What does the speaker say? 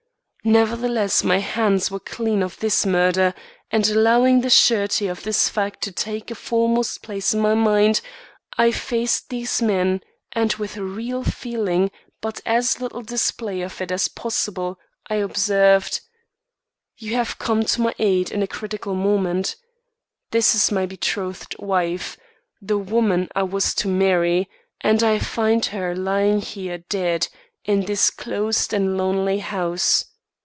Nevertheless my hands were clean of this murder, and allowing the surety of this fact to take a foremost place in my mind, I faced these men and with real feeling, but as little display of it as possible, I observed: "You have come to my aid in a critical moment. This is my betrothed wife the woman I was to marry and I find her lying here dead, in this closed and lonely house.